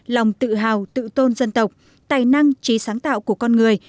lòng tự hào tự tôn dân tộc tài năng trí sáng tạo của con người